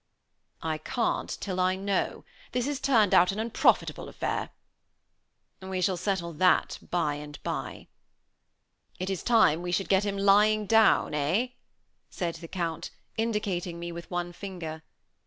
"I can't till I know. This has turned out an unprofitable affair." "We shall settle that by and by." "It is time we should get him lying down, eh," said the Count, indicating me with one finger.